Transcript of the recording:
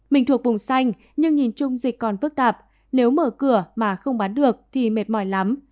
mình thuộc vùng xanh nhưng nhìn chung dịch còn phức tạp nếu mở cửa mà không bán được thì mệt mỏi lắm